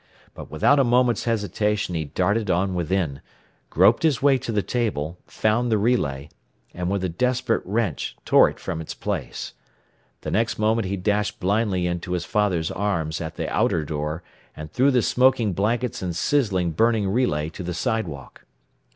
But without a moment's hesitation he darted on within, groped his way to the table, found the relay, and with a desperate wrench tore it from its place. The next moment he dashed blindly into his father's arms at the outer door, and threw the smoking blankets and sizzling, burning relay to the sidewalk.